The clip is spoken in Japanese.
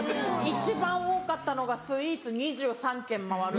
一番多かったのがスイーツ２３軒回る。